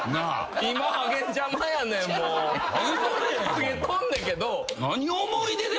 ハゲとんねんけど。